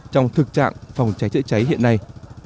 trong thực trạng phòng cháy chữa cháy hiện nay